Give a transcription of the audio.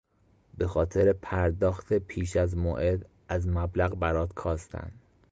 به خاطر پرداخت پیش از موعد از مبلغ برات کاستن